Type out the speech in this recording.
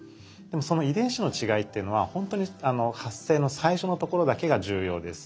その遺伝子の違いっていうのはほんとに発生の最初のところだけが重要です。